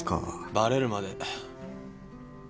バレるまで。